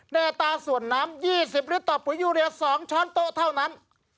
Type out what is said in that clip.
ในอัตราส่วนน้ำ๒๐ลิตรต่อปุ๋ยยูเรีย๒ช้อนโต๊ะเท่านั้น